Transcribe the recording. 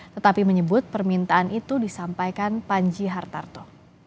tetapi menyebut permintaan itu disampaikan panji hartarto